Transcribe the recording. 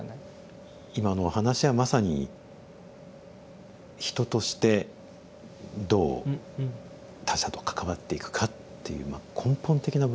今のお話はまさに人としてどう他者と関わっていくかっていう根本的な部分ですよね。